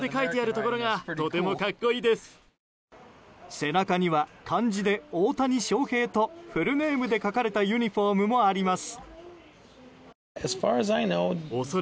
背中には漢字で「大谷翔平」とフルネームで書かれたユニホームもあります。